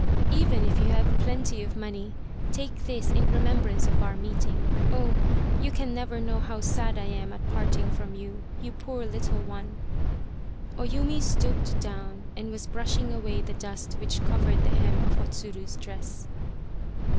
" Even if you have plenty of money take this in remembrance of our meeting. Oh ... you can never know how sad I am at parting from you, you poor little one !" O Yumi stooped down and was brushing away the dust which covered the hem of O Tsuru's dress.